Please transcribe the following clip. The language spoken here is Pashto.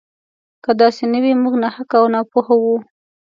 که داسې نه وي موږ ناخلفه او ناپوهه وو.